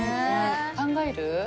考える？